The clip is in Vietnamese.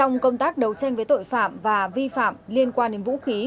trong công tác đấu tranh với tội phạm và vi phạm liên quan đến vũ khí